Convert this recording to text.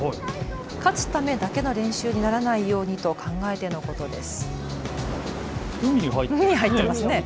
勝つためだけの練習にならないようにと考えてのことです。